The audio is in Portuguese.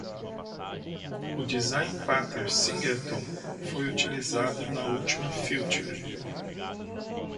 O design pattern Singleton foi utilizado na última feature.